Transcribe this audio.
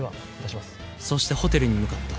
そしてホテルに向かった。